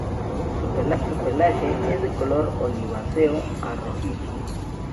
Su pelaje es de color oliváceo a rojizo.